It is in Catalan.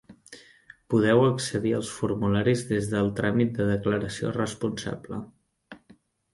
Podeu accedir als formularis des del tràmit de Declaració Responsable.